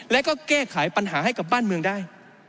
และก็แก้ไขปัญหาให้กับบ้านเมืองได้